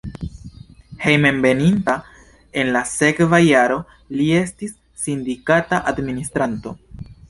Hejmenveninta en la sekva jaro li estis sindikata administranto.